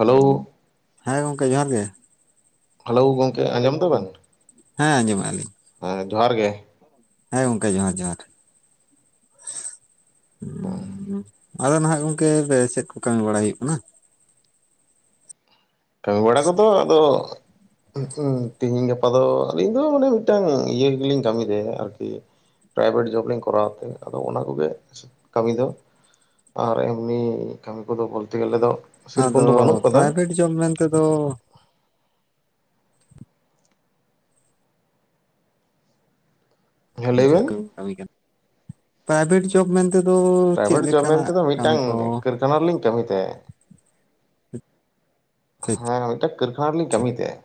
Hello. ᱦᱮᱸ ᱜᱚᱝᱠᱮ ᱡᱚᱦᱟᱨ ᱜᱮ᱾ ᱦᱮᱞᱳ ᱜᱚᱝᱠᱮ ᱟᱸᱡᱚᱢ ᱮᱫᱟ ᱵᱤᱱ? ᱦᱮᱸ ᱟᱡᱚᱢ ᱮᱫᱟ ᱞᱤᱧ᱾ ᱦᱮᱸ ᱡᱚᱦᱟᱨ ᱜᱮ᱾ ᱦᱮᱸ ᱜᱚᱝᱠᱮ ᱡᱚᱦᱟᱨ ᱡᱚᱦᱟᱨ᱾ ᱟᱫᱚ ᱱᱟᱦᱟᱜ ᱜᱚᱝᱠᱮ ᱪᱮᱫ ᱠᱚ ᱠᱟᱹᱢᱤ ᱵᱟᱲᱟᱭ ᱦᱩᱭᱩᱜ ᱠᱟᱱᱟ᱾ ᱠᱟᱹᱢᱤ ᱵᱟᱲᱟ ᱠᱚᱫᱚ ᱟᱫᱚ ᱛᱮᱦᱤᱧ ᱜᱟᱯᱟ ᱫᱚ ᱟᱹᱞᱤᱧ ᱫᱚ ᱢᱟᱱᱮ ᱢᱤᱫᱴᱟᱝ ᱤᱭᱟᱹ ᱜᱮᱞᱤᱧ ᱠᱟᱹᱢᱤ ᱟᱹᱨᱠᱤ᱾ ᱯᱨᱟᱭᱵᱷᱮᱴ ᱡᱚᱵ ᱞᱤᱧ ᱠᱚᱨᱟᱣ ᱛᱮ, ᱟᱫᱚ ᱚᱱᱟ ᱠᱚᱜᱮ ᱠᱟᱹᱢᱤ ᱫᱚ ᱟᱨ ᱮᱢᱱᱤ ᱠᱟᱹᱢᱤ ᱠᱚᱫᱚ ᱵᱚᱞᱛᱮ ᱜᱮᱞᱮ ᱫᱚ ᱥᱮᱨᱚᱠᱚᱢ ᱫᱚ ᱵᱟᱹᱱᱩᱜ ᱠᱟᱫᱟ᱾ ᱡᱚᱢ ᱢᱮᱱᱛᱮ ᱫᱚ ᱦᱮᱸ ᱞᱟᱹᱭ ᱪᱮᱫ ᱵᱮᱱ ᱞᱮᱠᱟ ᱵᱤᱱ ᱠᱟᱹᱢᱤ ᱠᱟᱱᱟ ᱯᱨᱟᱭᱵᱷᱮᱴ ᱡᱚᱵᱽ ᱢᱮᱱᱛᱮ ᱫᱚ ᱛᱮ ᱫᱚ ᱪᱮᱜ ᱞᱮᱠᱟᱱᱟᱜ ᱠᱟᱹᱢᱤ ᱠᱚ? ᱴᱮᱱᱟᱨ ᱨᱮ ᱞᱤᱧ ᱠᱟᱹᱢᱤ ᱛᱟᱦᱮᱸᱜ ᱾ ᱦᱮᱸ ᱢᱤᱫᱴᱮᱱ ᱠᱟᱹᱨᱠᱷᱟᱱᱟ ᱨᱮᱞᱤᱧ ᱠᱟᱹᱢᱤᱭ ᱛᱟᱦᱮᱸ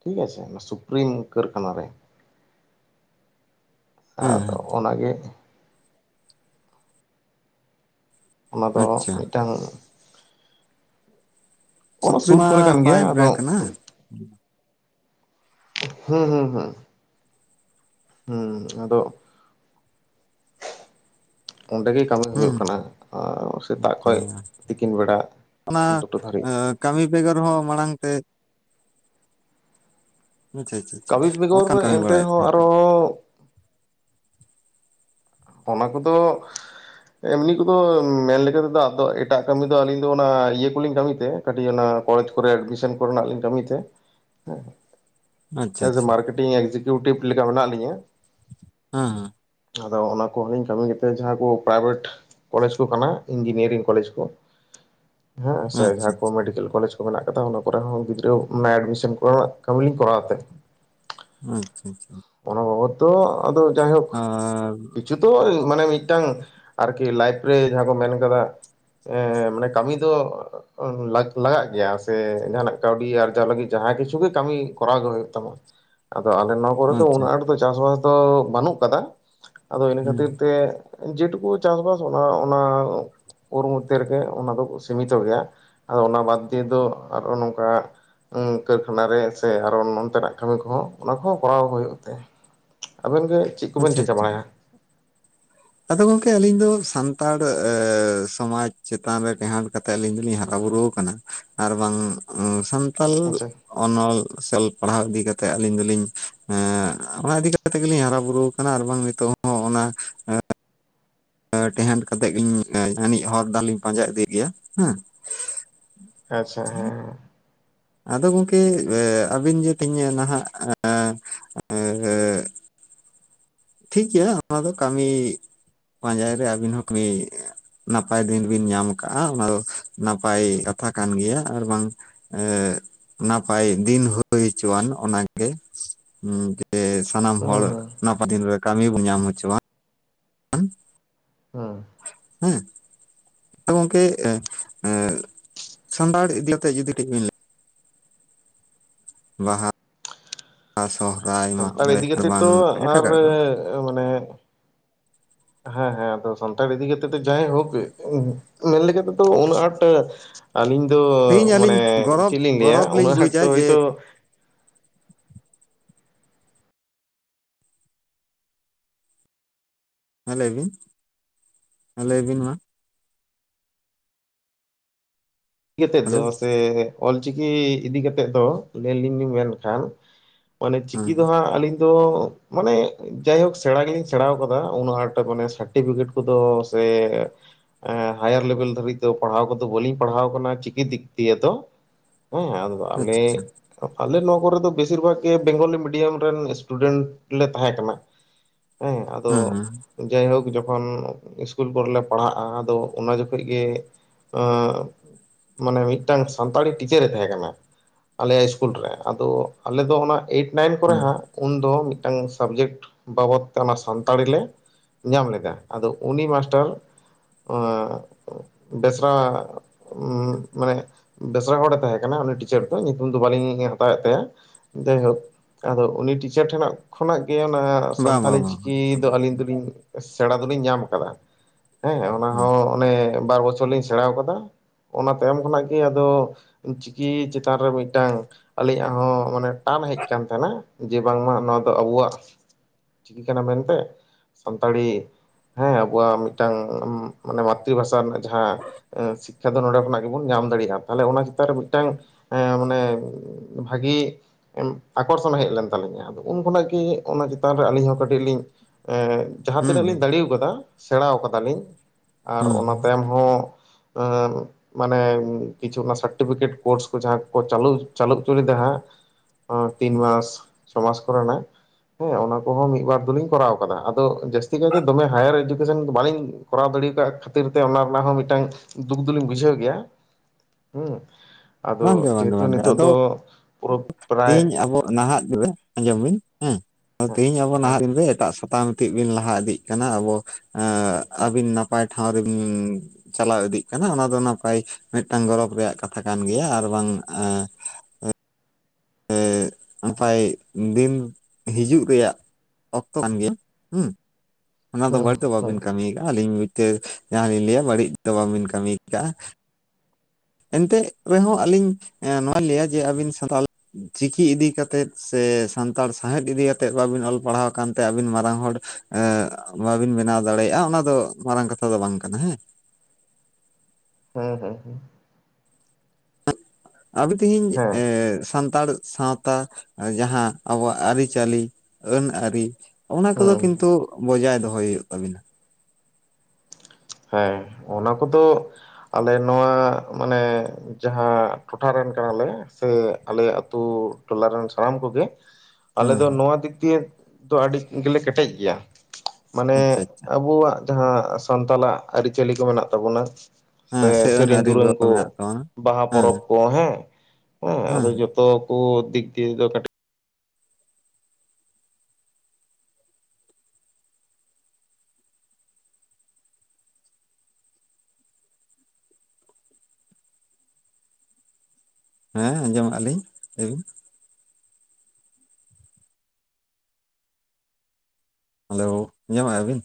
ᱴᱷᱤᱠ ᱟᱪᱷᱮ ᱥᱩᱯᱨᱤᱢ ᱠᱟᱹᱨᱠᱷᱟᱱᱟ ᱨᱮ᱾ ᱟᱫᱚ ᱦᱮᱸ ᱚᱱᱟ ᱜᱮ ᱾ ᱚᱱᱟ ᱫᱚ ᱟᱪᱪᱷᱟ ᱢᱤᱫᱴᱟᱝ ᱚᱱᱟ ᱥᱩᱨ ᱥᱩᱯᱨᱤᱢᱟ ᱠᱚᱨᱮ ᱠᱟᱱ ᱵᱟᱭ ᱜᱮᱭᱟ ᱵᱨᱮᱱᱰ ᱟᱫᱚ ᱠᱟᱱᱟ? ᱦᱩᱸ ᱦᱩᱸ ᱦᱩᱸ, ᱦᱩᱸ ᱟᱫᱚ ᱚᱸᱰᱮ ᱜᱮ ᱠᱟᱹᱢᱤ ᱦᱩᱭᱩᱜ ᱦᱩᱸ ᱠᱟᱱᱟ ᱥᱮᱛᱟᱜ ᱠᱷᱚᱡ ᱛᱤᱠᱤᱱ ᱵᱮᱲᱟ ᱚᱱᱟ ᱫᱩᱴᱳ ᱫᱷᱟᱹᱨᱤᱡ ᱾ ᱠᱟᱹᱢᱤ ᱵᱮᱜᱚᱨ ᱦᱚᱸ ᱢᱟᱲᱟᱝ ᱛᱮ ᱟᱪᱪᱷᱟ ᱟᱪᱪᱷᱟ ᱟᱪᱪᱷᱟ ᱚᱱᱠᱟᱢ ᱠᱟᱹᱢᱤ ᱵᱟᱲᱟᱭᱮᱫ ᱛᱟᱦᱮᱸ ᱠᱟᱱᱟ ᱾ ᱦᱳ ᱾ ᱚᱱᱟ ᱠᱚᱫᱚ ᱮᱢᱱᱤ ᱠᱚᱫᱚ ᱢᱮᱱ ᱞᱮᱠᱟ ᱛᱮᱫᱚ ᱮᱴᱟᱜ ᱠᱟᱹᱢᱤ ᱫᱚ ᱟᱹᱞᱤᱧ ᱫᱚ ᱚᱱᱟ ᱤᱭᱟᱹ ᱠᱚᱞᱤᱧ ᱠᱟᱹᱢᱤ ᱛᱮ ᱠᱟᱹᱴᱤᱡ ᱚᱱᱟ ᱠᱚᱞᱮᱡᱽ ᱠᱚᱨᱮ ᱮᱰᱢᱤᱥᱚᱱ ᱠᱚᱨᱮᱱᱟᱜ ᱞᱤᱧ ᱠᱟᱹᱢᱤ ᱛᱮ ᱟᱪᱪᱷᱟ ᱦᱮᱸ᱾ ᱟᱪᱪᱷᱟ ᱢᱟᱨᱠᱮᱴᱤᱝ ᱮᱠᱡᱤᱠᱤᱭᱩᱴᱤᱵᱷ ᱞᱮᱠᱟ ᱢᱮᱱᱟᱜ ᱞᱤᱧᱟ ᱾ ᱦᱟᱸ ᱦᱟᱸ, ᱟᱫᱚ ᱚᱱᱟ ᱠᱚ ᱞᱤᱧ ᱠᱟᱹᱢᱤ ᱜᱮ ᱛᱟᱦᱮᱜ ᱡᱟᱦᱟᱸ ᱠᱚ ᱯᱨᱟᱭᱵᱷᱮᱴ ᱠᱚᱞᱮᱡᱽ ᱠᱚ ᱠᱟᱱᱟ ᱤᱧᱡᱤᱱᱤᱭᱟᱨᱤᱝ ᱠᱚᱞᱮᱡᱽ ᱠᱚ ᱾ ᱦᱮᱸ ᱥᱮ ᱡᱟᱦᱟ ᱟᱪᱪᱷᱟ ᱠᱚ ᱢᱮᱰᱤᱠᱮᱞ ᱠᱚᱞᱮᱡᱽ ᱠᱚ ᱾ ᱢᱮᱱᱟᱜ ᱠᱟᱫᱟ ᱚᱱᱟ ᱠᱚᱨᱮ ᱦᱚᱸ ᱜᱤᱫᱽᱨᱟᱹ ᱢᱟᱱᱮ ᱮᱰᱢᱤᱥᱟᱱ ᱠᱚᱨᱮᱱᱟᱜ ᱠᱟᱹᱢᱤ ᱞᱤᱧ ᱠᱚᱨᱟᱣ ᱛᱮ ᱾ ᱟᱪᱪᱷᱟ ᱟᱪᱪᱷᱟ ᱾ ᱚᱱᱟ ᱵᱟᱵᱚᱛ ᱫᱚ ᱟᱫᱚ ᱡᱟᱭᱦᱳᱠ ᱟᱨ ᱡᱚᱛᱚ ᱢᱟᱱᱮ ᱢᱤᱫᱴᱟᱝ ᱟᱨᱠᱤ ᱞᱟᱭᱤᱯᱷ ᱨᱮ ᱡᱟᱦᱟᱸ ᱠᱚ ᱢᱮᱱ ᱠᱟᱫᱟ ᱢᱟᱱᱮ ᱠᱟᱹᱢᱤ ᱫᱚ ᱞᱟᱠ ᱞᱟᱜᱟᱜ ᱜᱮᱭᱟ ᱥᱮ ᱡᱟᱦᱱᱟᱜ ᱠᱟᱹᱣᱰᱤ ᱟᱨᱡᱟᱣ ᱞᱟᱹᱜᱤᱫ ᱡᱟᱦᱟᱸ ᱠᱤᱪᱷᱩ ᱜᱮ ᱠᱟᱹᱢᱤ ᱠᱚᱨᱟᱣ ᱜᱮ ᱦᱩᱭᱩᱜ ᱛᱟᱢᱟ ᱟᱫᱚ ᱟᱞᱮ ᱱᱚᱣᱟ ᱠᱚᱨᱮ ᱟᱪᱪᱷᱟ ᱩᱱᱟᱹᱜ ᱟᱸᱴ ᱫᱚ ᱪᱟᱥᱵᱟᱥ ᱫᱚ ᱵᱟᱹᱱᱩᱜ ᱠᱟᱫᱟ ᱟᱫᱚ ᱤᱱᱟᱹ ᱦᱩᱸ ᱠᱷᱟᱹᱛᱤᱨ ᱛᱮ ᱡᱮᱴᱩᱠᱩ ᱪᱟᱥᱵᱟᱥ ᱚᱱᱟ ᱚᱱᱟ ᱳᱨ ᱢᱚᱫᱽᱫᱷᱮ ᱨᱮᱜᱮ ᱚᱱᱟ ᱫᱚ ᱥᱤᱢᱤᱛᱚᱜ ᱜᱮᱭᱟ ᱟᱫᱚ ᱚᱱᱟ ᱵᱟᱫᱽ ᱫᱤᱭᱮ ᱫᱚ ᱟᱨᱦᱚᱸ ᱱᱚᱝᱠᱟ ᱠᱟᱹᱨᱠᱷᱟᱱᱟ ᱨᱮ ᱥᱮ ᱟᱨᱦᱚᱸ ᱱᱚᱱᱛᱮᱱᱟᱜ ᱠᱟᱹᱢᱤ ᱠᱚᱦᱚᱸ ᱚᱱᱟ ᱠᱚᱦᱚᱸ ᱠᱚᱨᱟᱣ ᱦᱳᱭᱳᱜ ᱛᱮ ᱟᱵᱮᱱ ᱜᱮ ᱪᱮᱫ ᱠᱚᱵᱮᱱ ᱟᱪᱪᱷᱟ ᱪᱮᱠᱟᱹ ᱟᱪᱪᱷᱟ ᱵᱟᱲᱟᱭᱟ? ᱟᱫᱚ ᱜᱚᱝᱠᱮ ᱟᱹᱞᱤᱧ ᱫᱚ ᱥᱟᱱᱛᱟᱲ ᱥᱚᱢᱟᱡᱽ ᱪᱮᱛᱟᱱ ᱨᱮ ᱴᱮᱸᱦᱟᱴ ᱠᱟᱛᱮ ᱟᱹᱞᱤᱧ ᱫᱚᱞᱤᱧ ᱦᱟᱨᱟ ᱵᱩᱨᱩ ᱠᱟᱱᱟ᱾ ᱟᱨ ᱵᱟᱝ ᱥᱟᱱᱛᱟᱞ ᱦᱮᱸᱥᱮ ᱚᱱᱚᱞ ᱥᱮ ᱚᱞ ᱯᱟᱲᱦᱟᱣ ᱤᱫᱤ ᱠᱟᱛᱮᱜ ᱟᱞᱤᱧ ᱫᱚᱞᱤᱧ ᱚᱱᱟ ᱤᱫᱤ ᱠᱟᱛᱮ ᱜᱮᱞᱤᱧ ᱦᱟᱨᱟ ᱵᱩᱨᱩ ᱟᱨ ᱵᱟᱝ ᱱᱤᱛᱚᱜ ᱦᱚᱸ ᱚᱱᱟ ᱛᱮᱦᱟᱴ ᱠᱟᱛᱮᱜ ᱜᱤᱧ ᱡᱟᱱᱤᱡ ᱦᱚᱨ ᱫᱟᱨ ᱤᱧ ᱯᱟᱸᱡᱟ ᱤᱫᱤᱭᱮᱜ ᱜᱮᱭᱟ ᱦᱮᱸ ᱾ ᱟᱪᱪᱷᱟ ᱦᱮᱸ ᱦᱮᱸ ᱾ ᱟᱫᱚ ᱜᱚᱝᱠᱮ ᱟᱹᱵᱤᱱ ᱡᱮ ᱛᱮᱦᱮᱧ ᱱᱟᱦᱟᱜ ᱴᱷᱤᱠ ᱜᱮᱭᱟ ᱚᱱᱟ ᱫᱚ ᱠᱟᱹᱢᱤ ᱯᱟᱸᱡᱟᱭ ᱨᱮ ᱟᱹᱵᱤᱱ ᱦᱚᱸ ᱠᱟᱹᱢᱤ ᱱᱟᱯᱟᱭ ᱫᱤᱱ ᱵᱤᱱ ᱧᱟᱢ ᱟᱠᱟᱜ-ᱟ ᱚᱱᱟ ᱫᱚ ᱱᱟᱯᱟᱭ ᱠᱟᱛᱷᱟ ᱠᱟᱱ ᱜᱮᱭᱟ ᱟᱨ ᱵᱟᱝ ᱱᱟᱯᱟᱭ ᱫᱤᱱ ᱦᱳᱭ ᱦᱚᱪᱚᱣᱟᱱ ᱚᱱᱟᱜᱮ ᱥᱮ ᱥᱟᱱᱟᱢ ᱦᱮᱸ ᱦᱚᱲ ᱦᱩᱸ ᱱᱟᱯᱟᱭ ᱫᱤᱱᱨᱮ ᱠᱟᱹᱢᱤ ᱵᱚᱱ ᱧᱟᱢ ᱦᱚᱪᱚᱣᱟᱱ ᱾ ᱚᱻ ᱦᱮᱸ ᱜᱚᱝᱠᱮ ᱥᱟᱱᱛᱟᱲ ᱤᱫᱤ ᱠᱟᱛᱮ ᱡᱩᱫᱤ ᱠᱟᱹᱡ ᱵᱤᱱ ᱞᱟᱹᱭᱟ? ᱵᱟᱦᱟ ᱵᱟᱦᱟ ᱥᱚᱦᱨᱟᱭ ᱢᱟᱜ ᱥᱟᱱᱛᱟᱲ ᱢᱚᱬᱮ ᱤᱫᱤ ᱟᱨ ᱠᱟᱛᱮᱫ ᱵᱟᱝ ᱛᱚ ᱟᱨ ᱮᱴᱟᱠᱟᱜ ᱠᱚ ᱾ ᱢᱟᱱᱮ ᱦᱮᱸ ᱾ ᱦᱮᱸ ᱟᱫᱚ ᱥᱟᱱᱛᱟᱲ ᱤᱫᱤ ᱠᱟᱛᱮᱜ ᱡᱟᱭ ᱦᱳᱠ ᱢᱮᱱ ᱞᱮᱠᱟ ᱛᱮᱫᱚ ᱩᱱᱟᱹᱜ ᱟᱸᱴ ᱟᱹᱞᱤᱧ ᱫᱚ ᱛᱮᱦᱤᱧ ᱢᱟᱱᱮ ᱟᱹᱞᱤᱧ ᱜᱚᱨᱚᱵᱽ ᱪᱮᱫ ᱞᱤᱧ ᱞᱟᱹᱭᱟ ᱜᱚᱨᱚᱵᱽ ᱞᱤᱧ ᱩᱱᱟᱹᱜ ᱟᱴ ᱵᱩᱡᱟ ᱫᱚ ᱡᱮ ᱦᱚᱳᱭᱛᱳ ᱦᱮᱸ ᱞᱟᱹᱭ ᱵᱤᱱ ᱦᱮᱸ ᱞᱟᱹᱭᱵᱤᱱ ᱢᱟ ᱤᱫᱤ ᱠᱟᱛᱮᱮᱫ ᱫᱚ ᱦᱮᱞᱳ ᱥᱮ ᱚᱞᱪᱤᱠᱤ ᱤᱫᱤ ᱠᱟᱛᱮᱜ ᱫᱚ ᱞᱟᱹᱭᱞᱤᱧ ᱞᱤᱧ ᱢᱮᱱᱠᱷᱟᱱ ᱢᱟᱱᱮ ᱪᱤᱠᱤ ᱫᱚ ᱦᱮᱸ ᱦᱟᱸᱜ ᱟᱹᱞᱤᱧ ᱢᱟᱱᱮ ᱡᱟᱭᱦᱳᱠ ᱥᱮᱬᱟ ᱜᱮᱞᱤᱧ ᱥᱮᱬᱟ ᱟᱠᱟᱫᱟ ᱩᱱᱟᱹᱜ ᱟᱸᱴ ᱢᱟᱱᱮ ᱥᱟᱨᱴᱤᱯᱷᱤᱠᱮᱴ ᱦᱟᱭᱟᱨ ᱞᱮᱵᱮᱞ ᱫᱷᱟᱹᱨᱤᱡ ᱫᱚ ᱯᱟᱲᱦᱟᱣ ᱠᱚᱫᱚ ᱵᱟᱹᱞᱤᱧ ᱯᱟᱲᱦᱟᱣ ᱚᱱᱟ ᱪᱤᱠᱤ ᱫᱤᱠ ᱫᱤᱭᱮ ᱫᱚ ᱦᱮᱸ ᱟ ᱟᱪᱪᱷᱟ ᱟᱪᱪᱷᱟ ᱟᱞᱮ ᱟᱞᱮ ᱱᱚᱣᱟ ᱠᱚᱨᱮ ᱫᱚ ᱵᱮᱥᱤᱨ ᱵᱷᱟᱜᱽ ᱜᱮ ᱵᱮᱝᱜᱚᱞᱤ ᱢᱤᱰᱤᱭᱟᱢ ᱨᱮᱱ ᱥᱴᱩᱰᱮᱱᱴ ᱞᱮ ᱛᱟᱦᱮᱸ ᱠᱟᱱᱟ ᱾ ᱦᱮᱸ ᱟᱫᱚ ᱡᱟᱭᱦᱳᱠ ᱡᱚᱠᱷᱚᱱ ᱤᱥᱠᱩᱞ ᱠᱚᱨᱮᱞᱮ ᱯᱟᱲᱦᱟᱜᱼᱟ ᱟᱫᱚ ᱚᱱᱟ ᱡᱚᱠᱷᱚᱱ ᱜᱮ ᱟᱨ ᱾ ᱢᱟᱱᱮ ᱢᱤᱫᱴᱟᱝ ᱥᱟᱱᱛᱟᱲᱤ ᱴᱤᱪᱟᱨᱮ ᱛᱟᱦᱮᱸ ᱠᱟᱱᱟ ᱾ ᱟᱞᱮᱭᱟᱜ ᱤᱥᱠᱩᱞ ᱨᱮ ᱟᱫᱚ ᱟᱞᱮ ᱚᱱᱟ ᱮᱭᱤᱴ ᱱᱟᱭᱤᱱ ᱠᱚᱨᱮ ᱦᱮᱸ ᱦᱟᱸᱜ ᱾ ᱩᱱᱫᱚ ᱢᱤᱫᱴᱟᱝ ᱥᱟᱵᱡᱮᱠᱴ ᱵᱟᱵᱚᱫ ᱛᱮ ᱚᱱᱟ ᱥᱟᱱᱛᱟᱲᱤ ᱞᱮ ᱧᱟᱢ ᱞᱮᱫᱟ ᱟᱫᱚ ᱩᱱᱤ ᱢᱟᱥᱴᱟᱨ ᱵᱮᱥᱨᱟ ᱢᱟᱱᱮ ᱵᱮᱥᱨᱟ ᱦᱚᱲᱮ ᱛᱟᱦᱮᱸ ᱠᱟᱱᱟᱟᱱᱟ ᱩᱱᱤ ᱴᱤᱪᱟᱨ ᱫᱚ ᱧᱩᱛᱩᱢ ᱫᱚ ᱵᱟᱹᱞᱤᱧ ᱦᱟᱛᱟᱣᱮᱫ ᱛᱟᱭᱟ ᱡᱟᱭᱦᱳᱠ ᱟᱫᱚ ᱩᱱᱤ ᱴᱤᱪᱟᱨ ᱴᱷᱮᱱᱟᱜ ᱠᱷᱚᱱᱟᱜ ᱜᱮ ᱚᱱᱟ ᱵᱟᱝ ᱵᱟᱝ ᱥᱟᱱᱛᱷᱟᱤ ᱪᱤᱠᱤ ᱵᱟᱝ ᱫᱚ ᱟᱹᱞᱤᱧ ᱫᱚᱞᱤᱧ ᱥᱮᱬᱟ ᱫᱚᱞᱤᱧ ᱧᱟᱢ ᱠᱟᱫᱟ ᱾ ᱦᱮᱸ ᱚᱱᱟ ᱦᱩᱸ ᱦᱚᱸ ᱚᱱᱮ ᱵᱟᱨ ᱵᱚᱪᱷᱚᱨ ᱞᱤᱧ ᱥᱮᱬᱟᱣ ᱠᱟᱫᱟ ᱚᱱᱟ ᱛᱟᱭᱚᱢ ᱠᱷᱚᱱᱟᱜ ᱜᱮ ᱟᱫᱚ ᱪᱤᱠᱤ ᱪᱮᱛᱟᱱ ᱨᱮ ᱢᱤᱫᱴᱟᱝ ᱟᱹᱞᱤᱧᱟᱜ ᱦᱚᱸ ᱢᱟᱱᱮ ᱴᱟᱱ ᱦᱮᱡ ᱠᱟᱱ ᱛᱟᱦᱮᱱᱟ ᱡᱮ ᱵᱟᱝᱢᱟ ᱱᱚᱣᱟ ᱫᱚ ᱟᱵᱚᱣᱟᱜ ᱪᱤᱠᱤ ᱠᱟᱱᱟ ᱢᱮᱱᱛᱮ ᱥᱟᱱᱛᱟᱲᱤ ᱦᱮᱸ ᱟᱵᱚᱣᱟᱜ ᱢᱤᱫᱴᱟᱝ ᱢᱟᱱᱮ ᱢᱟᱛᱨᱤ ᱵᱷᱟᱥᱟ ᱨᱮᱱᱟᱜ ᱡᱟᱦᱟᱸ ᱮ ᱥᱤ ᱠᱷᱟ ᱫᱚ ᱱᱚᱰᱮ ᱠᱷᱚᱱᱟᱜ ᱜᱮᱵᱚᱱ ᱧᱟᱢ ᱫᱟᱲᱮᱭᱟᱜᱼᱟ, ᱛᱟᱦᱚᱞᱮ ᱚᱱᱟ ᱪᱮᱛᱟᱱ ᱨᱮ ᱢᱤᱫᱴᱟᱝ ᱮ ᱢᱟᱱᱮ ᱵᱷᱟᱹᱜᱤ ᱟᱠᱚᱨᱥᱚᱱ ᱦᱮᱡ ᱞᱮᱱ ᱛᱟᱹᱞᱤᱧᱟ ᱾ ᱟᱫᱚ ᱩᱱ ᱠᱷᱚᱱᱟᱜ ᱜᱮ ᱚᱱᱟ ᱪᱮᱛᱟᱱ ᱨᱮ ᱟᱹᱞᱤᱧ ᱦᱚᱸ ᱠᱟᱹᱴᱤᱡ ᱞᱤᱧ ᱮ ᱡᱟᱦᱟᱸ ᱦᱩᱸ ᱛᱤᱱᱟᱹᱜ ᱞᱤᱧ ᱫᱟᱲᱮᱣᱠᱟᱫᱟ ᱥᱮᱬᱟᱣ ᱠᱟᱫᱟᱞᱤᱧ ᱟᱨ ᱚᱱᱟ ᱦᱩᱸ ᱛᱟᱭᱚᱢ ᱦᱚᱸ ᱟᱨ ᱢᱟᱱᱮ ᱠᱤᱪᱷᱩ ᱚᱱᱟ ᱥᱟᱨᱴᱯᱷᱤᱠᱮᱴ ᱠᱳᱨᱥ ᱠᱚ ᱡᱟᱦᱟᱸ ᱠᱚ ᱪᱟᱞᱩ ᱪᱟᱞᱩ ᱦᱚᱪᱚ ᱞᱮᱫᱟ ᱦᱟᱸᱜ ᱚ ᱛᱤᱱ ᱢᱟᱥ ᱪᱷᱚ ᱢᱟᱥ ᱠᱚᱨᱮ ᱱᱟᱜ ᱦᱮᱸ, ᱚᱱᱟ ᱠᱚᱦᱚᱸ ᱢᱤᱫᱵᱟᱨ ᱫᱚᱞᱤᱧ ᱠᱚᱨᱟᱣ ᱠᱟᱫᱟ, ᱟᱫᱚ ᱡᱟᱹᱥᱛᱤ ᱠᱟᱭᱛᱮ ᱫᱚᱢᱮ ᱦᱟᱭᱟᱨ ᱮᱰᱩᱠᱮᱥᱚᱱ ᱫᱚ ᱵᱟᱞᱤᱧ ᱠᱚᱨᱟᱣ ᱫᱟᱲᱮᱣ ᱠᱟᱫ ᱠᱷᱟᱹᱛᱤᱨ ᱛᱮ ᱚᱱᱟ ᱨᱮᱱᱟᱜ ᱦᱚᱸ ᱢᱤᱫᱴᱟᱝ ᱫᱩᱠ ᱫᱚᱞᱤᱧ ᱵᱩᱡᱷᱟᱹᱣ ᱜᱮᱭᱟ ᱾ ᱦᱮᱸ, ᱟᱫᱚ ᱵᱟᱝᱜᱮ ᱵᱟᱝᱜᱮ ᱡᱮᱦᱮᱛᱩ ᱵᱟᱝᱜᱮ ᱱᱤᱛᱚᱜ ᱟᱫᱚ ᱫᱚ [unintelligible] ᱛᱮᱦᱤᱧ ᱟᱵᱚ ᱱᱟᱦᱟᱜ ᱫᱤᱱ ᱨᱮ ᱟᱸᱡᱚᱢ ᱵᱤᱱ ᱦᱮᱸ ᱛᱮᱦᱤᱧ ᱟᱵᱚ ᱦᱮᱸ ᱱᱟᱦᱟᱜ ᱫᱤᱱᱨᱮ ᱮᱴᱟᱜ ᱥᱟᱛᱟᱢ ᱴᱤᱜ ᱵᱤᱱ ᱞᱟᱦᱟ ᱤᱫᱤᱜ ᱠᱟᱱᱟ ᱟᱵᱚ ᱮ ᱟᱹᱵᱤᱱ ᱱᱟᱯᱟᱭ ᱴᱷᱟᱶ ᱨᱮᱵᱤᱱ ᱪᱟᱞᱟᱣ ᱤᱫᱤᱜ ᱠᱟᱱᱟ ᱚᱱᱟ ᱫᱚ ᱱᱟᱯᱟᱭ ᱢᱤᱫᱴᱟᱝ ᱜᱚᱨᱚᱵᱽ ᱨᱮᱭᱟᱜ ᱠᱟᱛᱷᱟ ᱠᱟᱱ ᱜᱮᱭᱟ ᱾ ᱟᱨ ᱵᱟᱝ ᱟ ᱱᱟᱯᱟᱭ ᱫᱤᱱ ᱦᱤᱡᱩᱜ ᱨᱮᱭᱟᱜ ᱚᱠᱛᱚ ᱠᱟᱱ ᱜᱮᱭᱟ ᱦᱩᱸ ᱾ ᱚᱱᱟ ᱫᱚ ᱦᱩᱸ ᱵᱟᱹᱲᱤᱡ ᱫᱚ ᱦᱩᱸ ᱵᱟᱹᱵᱤᱱ ᱠᱟᱹᱢᱤᱣ ᱠᱟᱜᱼᱟ ᱟᱹᱞᱤᱧ ᱛᱮ ᱡᱟᱦᱟᱸ ᱞᱤᱧ ᱞᱟᱹᱭᱟ ᱵᱟᱹᱲᱤᱡ ᱫᱚ ᱵᱟᱵᱤᱱ ᱠᱟᱹᱢᱤ ᱠᱟᱜᱼᱟ ᱾ ᱮᱱᱛᱮᱜ ᱨᱮᱦᱚᱸ ᱟᱞᱤᱧ ᱮ ᱱᱚᱣᱟᱧ ᱞᱟᱹᱭᱟ ᱡᱮ ᱟᱵᱤᱱ ᱥᱟᱱᱛᱟᱞ ᱪᱤᱠᱤ ᱤᱫᱤ ᱠᱟᱛᱮᱫ ᱥᱮ ᱥᱟᱱᱛᱟᱲ ᱥᱟᱶᱦᱮᱫ ᱤᱫᱤ ᱠᱟᱛᱮᱫ ᱵᱟᱵᱤᱱ ᱚᱞ ᱯᱟᱲᱦᱟᱣ ᱠᱟᱱᱛᱮ ᱟᱹᱵᱤᱱ ᱢᱟᱨᱟᱝ ᱦᱚᱲ ᱮ ᱵᱟᱵᱤᱱ ᱵᱮᱱᱟᱣ ᱫᱟᱲᱮᱭᱟᱜᱼᱟ ᱚᱱᱟ ᱫᱚ ᱢᱟᱨᱟᱝ ᱠᱟᱛᱷᱟ ᱫᱚ ᱵᱟᱝ ᱠᱟᱱᱟ ᱦᱮᱸ ᱾ ᱦᱮᱸ ᱦᱮᱸ ᱦᱮᱸ ᱾ ᱟᱵᱤ ᱛᱤᱦᱤᱧ ᱦᱮᱸ ᱮ ᱥᱟᱱᱛᱟᱲ ᱥᱟᱶ ᱛᱟ ᱡᱟᱦᱟᱸ ᱟᱵᱚᱣᱟᱜ ᱟᱹᱨᱤᱪᱟᱹᱞᱤ ᱟᱹᱱ ᱟᱹᱨᱤ ᱚᱱᱟ ᱠᱚᱫᱚ ᱦᱩᱸ ᱠᱤᱱᱛᱩ ᱵᱚᱡᱟᱭ ᱫᱚᱦᱚᱭ ᱦᱩᱭᱩᱜ ᱛᱟᱵᱤᱱᱟ ᱾ ᱦᱮᱸ ᱚᱱᱟ ᱠᱚᱫᱚ ᱟᱞᱮ ᱱᱚᱣᱟ ᱢᱟᱱᱮ ᱡᱟᱦᱟᱸ ᱴᱚᱴᱷᱟ ᱨᱮᱱ ᱠᱟᱱᱟᱞᱮ ᱥᱮ ᱟᱞᱮᱣᱟᱜ ᱟᱹᱛᱩ ᱴᱚᱞᱟ ᱨᱮᱱ ᱥᱟᱱᱟᱢ ᱠᱚ ᱜᱮ ᱟᱞᱮ ᱦᱮᱸ ᱫᱚ ᱦᱮᱸ ᱱᱩᱣᱟ ᱫᱤᱠ ᱫᱤᱭᱮ ᱫᱚ ᱟᱹᱰᱤ ᱜᱮᱞᱮ ᱠᱮᱴᱮᱡ ᱜᱮᱭᱟ, ᱟᱪᱪᱷᱟ ᱢᱟᱱᱮ ᱟᱪᱪᱷᱟ ᱟᱵᱩᱣᱟᱜ ᱡᱟᱦᱟᱸ ᱥᱟᱱᱛᱟᱞᱟᱜ ᱟᱹᱨᱤᱪᱟᱹᱞᱤ ᱠᱚ ᱢᱮᱱᱟᱜ ᱛᱟᱵᱩᱱᱟ ᱾ ᱦᱮᱸ ᱥᱮ ᱟᱹᱱ ᱥᱮᱨᱮᱧ ᱟᱹᱨᱤ ᱫᱩᱨᱟᱹᱝ ᱠᱩ ᱢᱮᱱᱟᱜ ᱛᱟᱵᱚᱱᱟ ᱵᱟᱦᱟ ᱦᱮᱸ ᱯᱚᱨᱚᱵᱽ ᱠᱚ ᱦᱮᱸ ᱾ ᱦᱮᱸ ᱟᱫᱚ ᱡᱚᱛᱚ ᱠᱩ ᱫᱤᱠ ᱫᱤᱭᱮ ᱫᱚ ᱠᱟᱹᱴᱤᱡ ᱦᱮᱸ ᱟᱸᱡᱚᱢᱚᱜᱼᱟ ᱞᱤᱧ, ᱞᱟᱹᱭᱵᱤᱱ ᱾ ᱦᱮᱞᱳ! ᱟᱸᱡᱚᱢᱮᱜᱼᱟ ᱵᱤᱱ?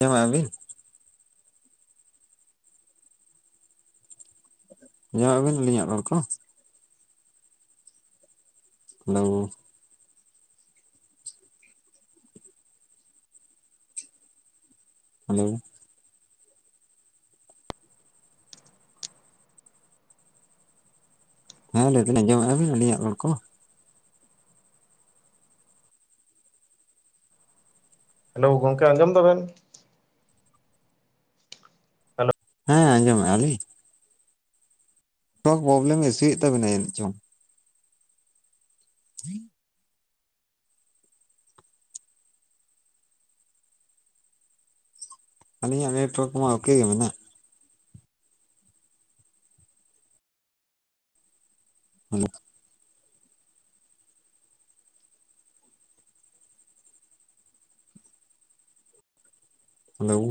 ᱟᱸᱡᱚᱢᱮᱜᱼᱟ ᱵᱤᱱ? ᱟᱸᱡᱚᱢᱮᱜᱼᱟᱵᱤᱱ ᱟᱹᱞᱤᱧᱟᱜ ᱨᱚᱲ ᱠᱚ? ᱦᱮᱞᱳ! ᱦᱮᱞᱳ! ᱦᱮᱸ ᱞᱟᱹᱭ ᱫᱟᱞᱤᱧ ᱟᱸᱡᱚᱢᱮᱜᱼᱟ ᱵᱤᱱ ᱟᱹᱞᱤᱧᱟᱜ ᱨᱚᱲ ᱠᱚ? ᱦᱮᱞᱳ ᱜᱚᱝᱠᱮ ᱟᱸᱡᱚᱢ ᱫᱟᱵᱮᱱ? ᱦᱮᱸ, ᱟᱸᱡᱚᱢᱮᱜᱼᱟ ᱞᱤᱧ ᱾ [unintelligible] ᱯᱨᱚᱵᱞᱮᱢ ᱤᱥᱩᱭᱮᱜ ᱛᱟᱵᱮᱱᱟ ᱡᱟᱹᱱᱤᱡ ᱪᱚᱝ! [unintelligible] ᱟᱹᱞᱤᱧᱟᱜ ᱱᱮᱴᱣᱟᱨᱠ ᱢᱟ ᱚᱠᱮ ᱜᱮ ᱢᱮᱱᱟᱜᱼᱟ ᱾ ᱦᱮᱞᱼᱳ ᱾ ᱦᱮᱞᱳᱣ ᱾